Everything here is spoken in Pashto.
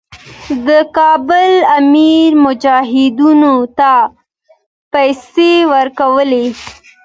د کابل امیر مجاهدینو ته پیسې ورکولې.